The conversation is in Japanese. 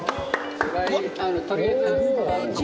とりあえず。